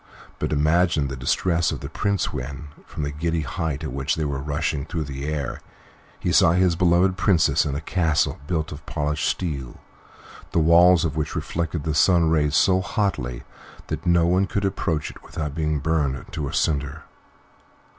But imagine the distress of the Prince when, from the giddy height at which they were rushing through the air, he saw his beloved Princess in a castle built of polished steel, the walls of which reflected the sun's rays so hotly that no one could approach it without being burnt to a cinder!